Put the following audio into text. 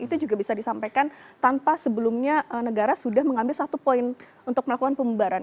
itu juga bisa disampaikan tanpa sebelumnya negara sudah mengambil satu poin untuk melakukan pembaharan